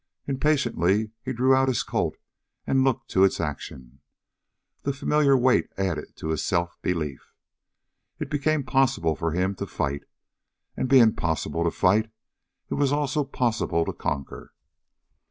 Impatiently he drew out his Colt and looked to its action. The familiar weight added to his self belief. It became possible for him to fight, and being possible to fight, it was also possible to conquer.